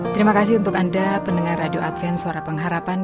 terima kasih untuk anda pendengar radio adven suara pengharapan